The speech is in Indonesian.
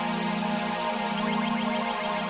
tidak bapak siap